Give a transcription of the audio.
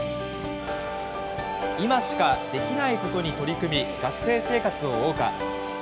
今しかできないことに取り組み学生生活を謳歌。